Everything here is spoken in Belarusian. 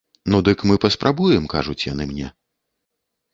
Ну дык мы паспрабуем, кажуць яны мне.